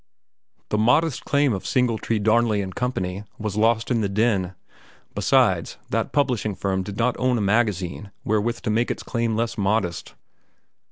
The modest claim of Singletree, Darnley & Co. was lost in the din. Besides, that publishing firm did not own a magazine wherewith to make its claim less modest.